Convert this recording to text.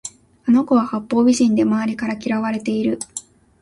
あの子は八方美人で周りから嫌われている